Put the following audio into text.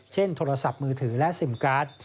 โทรศัพท์มือถือและซิมการ์ด